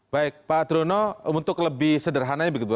baik pak truno untuk lebih sederhananya begitu